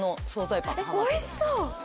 おいしそう！